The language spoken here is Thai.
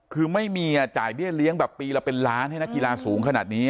คือไม่มีจ่ายเบี้ยเลี้ยงแบบปีละเป็นล้านให้นักกีฬาสูงขนาดนี้